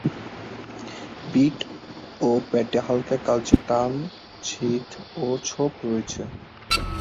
পিঠ ও পেটে হালকা কালচে টান, ছিট ও ছোপ রয়েছে।